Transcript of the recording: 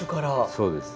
そうです。